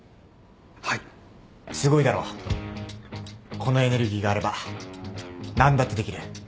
このエネルギーがあれば何だってできる。